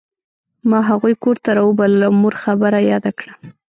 ما هغوی کور ته راوبلل او مور خبره یاده کړه